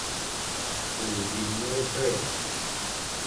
Òrzìɲɔ́ hwɛ̂.